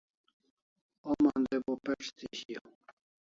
Homa andai bo pec' thi shiaw